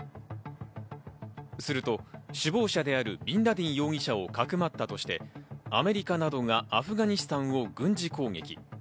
すると首謀者であるビンラディン容疑者をかくまったとして、アメリカなどがアフガニスタンを軍事攻撃。